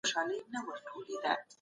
تاسو په هلمند کي څومره خوندي احساس کوئ؟